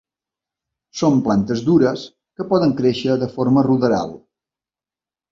Són plantes dures que poden créixer de forma ruderal.